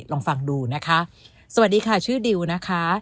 ลองฟังดูนะคะสวัสดีค่ะชื่อดิวนะคะ